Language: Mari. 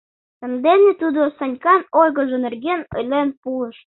Сандене тудо Санькан ойгыжо нерген ойлен пуыш.